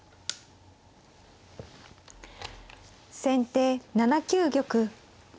先手７九玉。